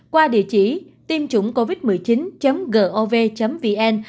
qua địa chỉ tiêm chủngcovid một mươi chín gov vn